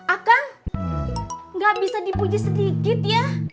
akan nggak bisa dipuji sedikit ya